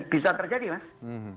bisa terjadi mas